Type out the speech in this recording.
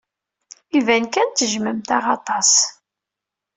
Iban kan tejjmemt-aɣ aṭas.